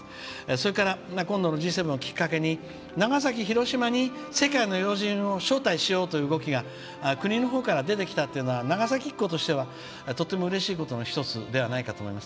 それから今度のＧ７をきっかけに長崎、広島に世界の要人を招待しようという動きが国のほうから出てきたっていうのは長崎っ子としてはとってもうれしいことの一つではないでしょうか。